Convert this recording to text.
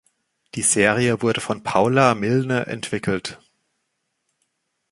Die Serie wurde von Paula Milne entwickelt.